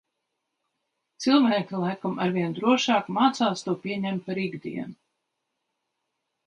Cilvēki laikam arvien drošāk mācās to pieņemt par ikdienu.